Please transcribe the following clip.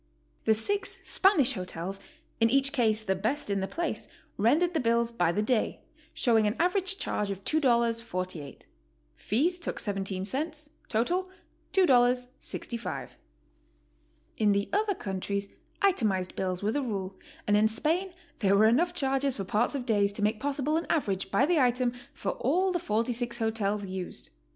The six Spanish hotels, in each case the best in the place, rendered the bills by the day, sho'wing an average charge of $2.48; fees took $0.17; total, $2.65. In the other countries itemized bills were the rule, and in Spain there were enough charges for parts of days to make possible an average by the item for all the 46 hotels used.